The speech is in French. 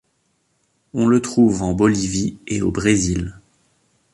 On le trouve en Bolivie et au Brésil.